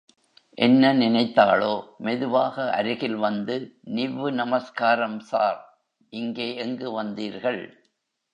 என்ன நினைத்தாளோ, மெதுவாக அருகில் வந்து நிவ்வு நமஸ்காரம், ஸார்.. இங்கே எங்கு வந்தீர்கள்?